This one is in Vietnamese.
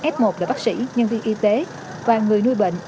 f một là bác sĩ nhân viên y tế và người nuôi bệnh